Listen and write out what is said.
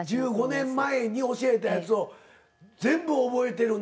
１５年前に教えたやつを全部覚えてるんだ。